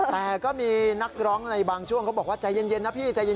แต่ก็มีนักร้องในบางช่วงเขาบอกว่าใจเย็นนะพี่ใจเย็น